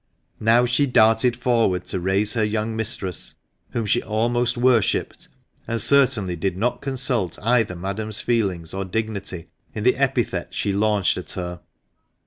Now she darted forward to raise her young mistress, whom she almost worshipped, and certainly did not consult either Madame's feelings or dignity in the epithets she launched at her.